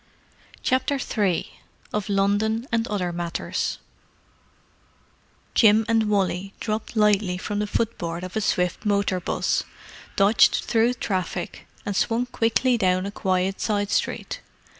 CHAPTER III OF LONDON AND OTHER MATTERS Jim and Wally dropped lightly from the footboard of a swift motor 'bus, dodged through the traffic, and swung quickly down a quiet side street.